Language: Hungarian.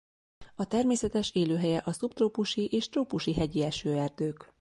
A természetes élőhelye a szubtrópusi és trópusi hegyi esőerdők.